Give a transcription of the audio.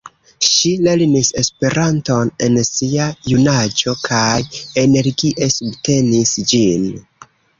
Ŝi lernis Esperanton en sia junaĝo kaj energie subtenis ĝin.